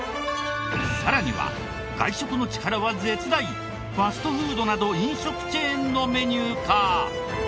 さらには外食の力は絶大ファストフードなど飲食チェーンのメニューか？